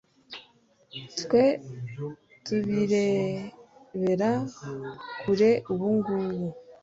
twe tubirebera kure ubugubu